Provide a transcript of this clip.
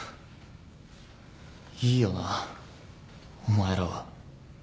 いいよなお前らは。